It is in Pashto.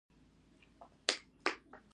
د ژمي لپاره د څارویو خوراک څنګه ذخیره کړم؟